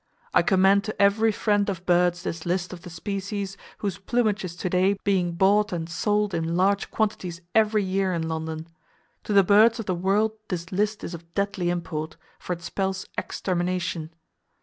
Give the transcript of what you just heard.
I commend to every friend of birds this list of the species whose plumage is to day being bought and sold in large quantities every year in London. To the birds of the world this list is of deadly import, for it spells extermination.